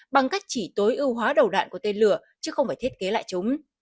bằng cách chỉ tối ưu hóa đầu đạn của tên lửa chứ không phải thiết kế lại chúng